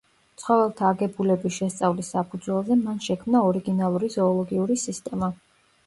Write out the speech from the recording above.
ცხოველთა აგებულების შესწავლის საფუძველზე მან შექმნა ორიგინალური ზოოლოგიური სისტემა.